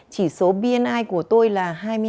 chỉ số bni của tôi là hai mươi hai